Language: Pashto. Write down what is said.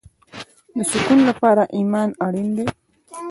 د سکون لپاره ایمان اړین دی